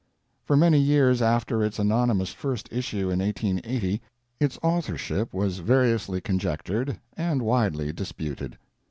For many years after its anonymous first issue in 1880, its authorship was variously conjectured and widely disputed.